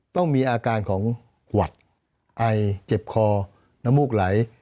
ต้องมีอาการของหวัดไอเจ็บคอน้ำมูกไหล